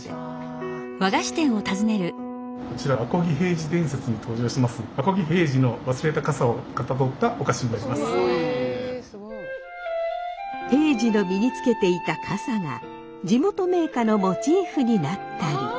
平治の身につけていた笠が地元銘菓のモチーフになったり。